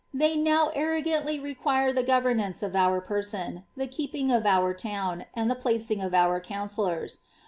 227 now arrogantly require tlie governance of our person, the keeping of our town, mod the placing of our councillors.